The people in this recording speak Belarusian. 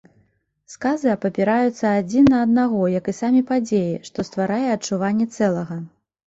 Сказы абапіраюцца адзін на аднаго, як і самі падзеі, што стварае адчуванне цэлага.